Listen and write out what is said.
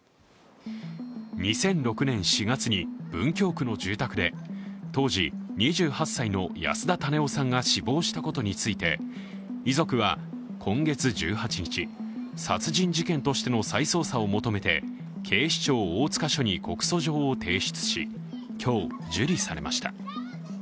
２００６年４月に文京区の住宅で当時２８歳の安田種雄さんが死亡したことについて、遺族は今月１８日殺人事件としての再捜査を求めて警視庁大塚署に告訴状を提出し今日、受理されました。